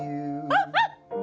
あっあっ！